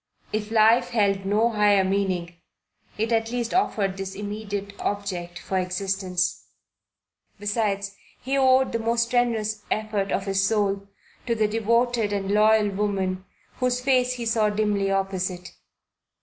If life held no higher meaning, it at least offered this immediate object for existence. Besides he owed the most strenuous effort of his soul to the devoted and loyal woman whose face he saw dimly opposite.